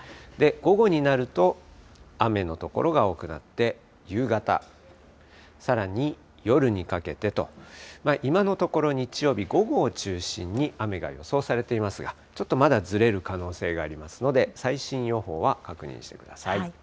午後になると、雨の所が多くなって、夕方、さらに夜にかけてと、今のところ、日曜日午後を中心に雨が予想されていますが、ちょっとまだずれる可能性がありますので、最新予報は確認してください。